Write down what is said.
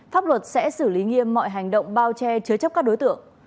pháp luật sẽ xử lý nghiêm mọi hành động bao che chứa chấp các đối tượng